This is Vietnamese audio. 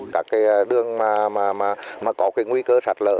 các đường có nguy cơ sạt lở